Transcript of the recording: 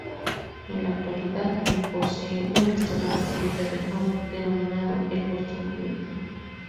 En la actualidad Bird posee un restaurante en Terre Haute, denominado el "Boston Connection".